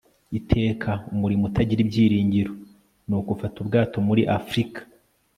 iteka, umurimo utagira ibyiringiro, nuko ufata ubwato muri afrika